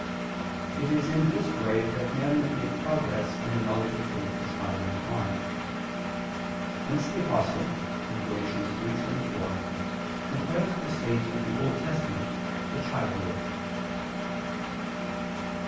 It is in this way that men made progress in the knowledge of faith as time went on. Hence the Apostle (Gal. 3:24) compares the state of the Old Testament to childhood.